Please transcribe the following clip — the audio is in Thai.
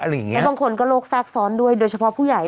แต่คนก็โรคแซกซ้อนด้วยโดยเฉพาะผู้ใหญ่